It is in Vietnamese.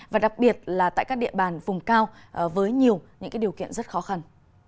và đặc biệt là tại các địa bàn vùng cao với nhiều những điều kiện rất khó khăn